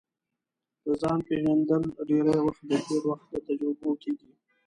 د ځان پېژندل ډېری وخت د تېر وخت له تجربو کیږي